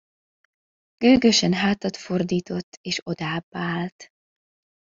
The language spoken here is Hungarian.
Gőgösen hátat fordított és odábbállt.